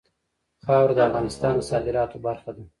خاوره د افغانستان د صادراتو برخه ده.